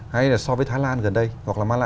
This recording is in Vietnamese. hay là so với thái lan gần đây hoặc là malaysia